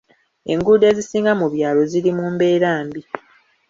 Enguudo ezisinga mu byalo ziri mu mbera mbi .